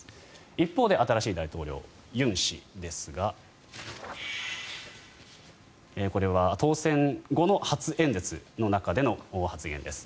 一方で新しい大統領、尹氏ですがこれは当選後の初演説の中での発言です。